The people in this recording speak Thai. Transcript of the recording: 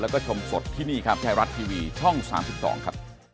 ขอบคุณครับ